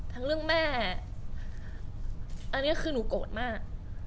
ทั้งเรื่องแม่อันนี้คือหนูโกรธมาก